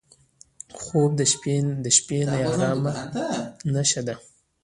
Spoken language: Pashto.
خوب د شپهني ارام نښه ده